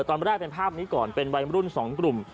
ตอนแรกเป็นภาพนี้ก่อนเป็นวัยรุ่น๒กลุ่ม